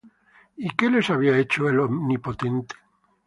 ¿Y qué les había hecho el Omnipotente?